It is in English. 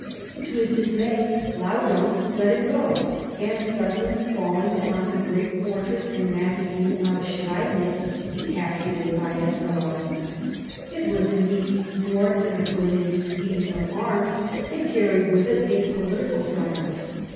To his dismay Laudon let him go, and suddenly falling upon the great fortress and magazine of Schweidnitz captured it by escalade. It was indeed more than a brilliant deed of arms, it carried with it a political triumph.